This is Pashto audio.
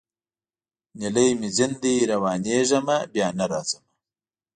نیلی مي ځین دی روانېږمه بیا نه راځمه